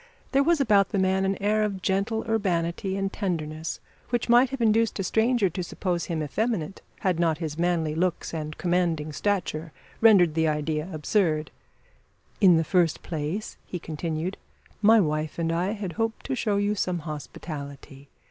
There was about the man an air of gentle urbanity and tenderness which might have induced a stranger to suppose him effeminate, had not his manly looks and commanding stature rendered the idea absurd. "In the first place," he continued, "my wife and I had hoped to show you some hospitality.